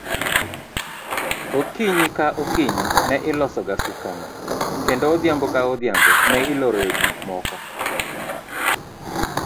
Okinyi ka okinyi ne ilosoga sukano, kendo odhiambo ka odhiambo ne iloroe gik moko.